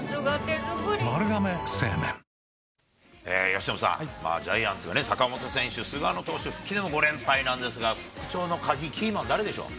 由伸さん、ジャイアンツが坂本選手、菅野投手復帰での５連敗なんですが、復調の鍵、キーマン誰でしょう。